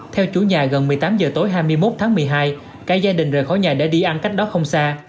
theo chủ nhà gần một mươi tám h tối hai mươi một tháng một mươi hai cả gia đình rời khỏi nhà để đi ăn cách đó không xa